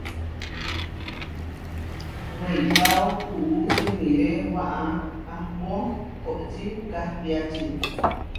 Weikáo puú simiré waʼá ahpó koʼočí kahtiači.